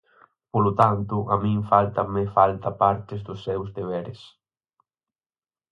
Polo tanto, a min fáltanme falta parte dos seus deberes.